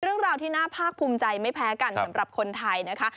เรื่องราวที่น่าภาคภูมิใจไม่แพ้กันสำหรับคนไทยนะคะ